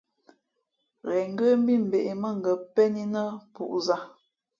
Ghen ngə́ mbí mbᾱʼ ē mά ngα̌ pén í nά pūʼ zǎ.